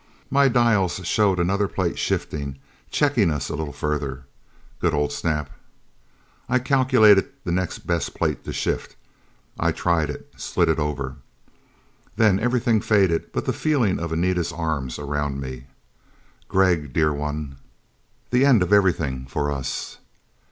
My dials showed another plate shifting, checking us a little further. Good old Snap! I calculated the next best plate to shift. I tried it. Slid it over. Then everything faded but the feeling of Anita's arms around me. "Gregg, dear one " The end of everything for us....